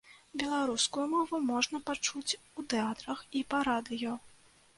Беларускую мову можна пачуць у тэатрах і па радыё.